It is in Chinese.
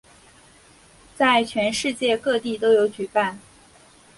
在全世界各地都有举办。